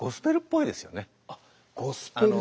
あっゴスペル。